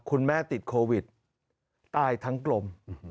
คุณแม่ติดโควิดตายทั้งกลม